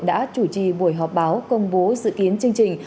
đã chủ trì buổi họp báo công bố dự kiến chương trình